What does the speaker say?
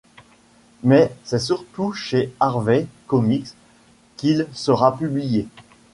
Mais c'est surtout chez Harvey Comics qu'il sera publié.